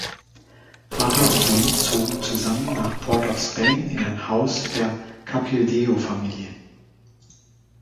Vater und Sohn zogen zusammen nach Port of Spain in ein Haus der Capildeo-Familie.